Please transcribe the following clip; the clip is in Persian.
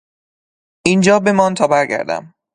اینجا بمان تا برگردم.